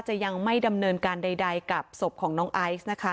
ยังไม่ดำเนินการใดกับศพของน้องไอซ์นะคะ